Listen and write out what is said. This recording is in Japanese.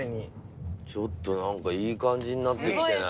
ちょっとなんかいい感じになってきてない？